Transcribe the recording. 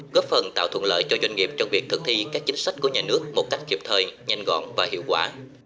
góp phần tạo thuận lợi cho doanh nghiệp trong việc thực thi các chính sách của nhà nước một cách kịp thời nhanh gọn và hiệu quả